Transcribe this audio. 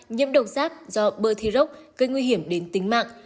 nhiễm độc rác do bơ thi rốc gây nguy hiểm đến tính mạng